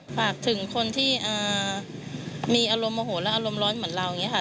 ฝากถึงคนที่มีอารมณ์โมโหและอารมณ์ร้อนเหมือนเราอย่างนี้ค่ะ